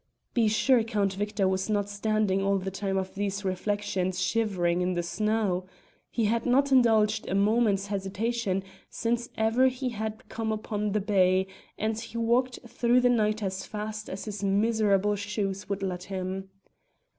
Be sure Count Victor was not standing all the time of these reflections shivering in the snow. He had not indulged a moment's hesitation since ever he had come out upon the bay, and he walked through the night as fast as his miserable shoes would let him.